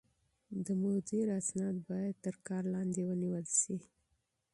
د مدير اسناد بايد تر کار لاندې ونيول شي.